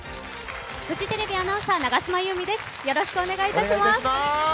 フジテレビアナウンサー永島優美です。